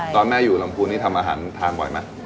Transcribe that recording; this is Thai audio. ตอนแม่อยู่ลำพูนนี่ทำอาหารทานบ่อยไหม